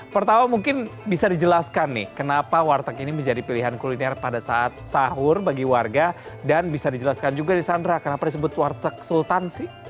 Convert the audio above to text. pertama mungkin bisa dijelaskan nih kenapa warteg ini menjadi pilihan kuliner pada saat sahur bagi warga dan bisa dijelaskan juga di sandra kenapa disebut warteg sultan sih